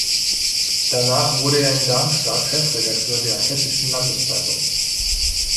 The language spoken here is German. Danach wurde er in Darmstadt Chefredakteur der "Hessischen Landeszeitung".